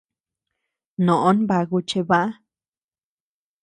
Noʼó nbaku chebäa.